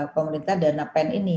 pemerintah dana pen ini